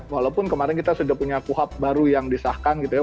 walaupun kemarin kita sudah punya kuhab baru yang disahkan gitu ya